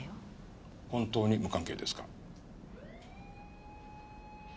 本当に無関係ですか？